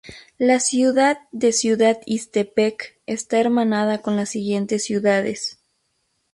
La ciudad de Ciudad Ixtepec está hermanada con las siguientes ciudades